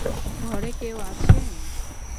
ঘরে কেউ আছেন?